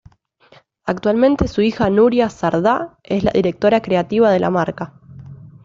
Actualmente su hija Nuria Sardá es la Directora Creativa de la marca.